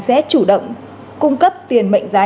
sẽ chủ động cung cấp tiền mệnh giá